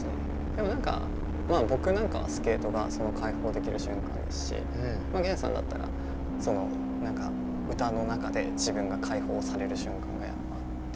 何か僕なんかはスケートがその開放できる瞬間ですし源さんだったらその何か歌の中で自分が開放される瞬間がやっぱあって。